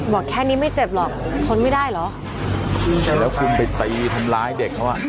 บอกแค่นี้ไม่เจ็บหรอกทนไม่ได้เหรอแต่แล้วคุณไปตีทำร้ายเด็กเขาอ่ะ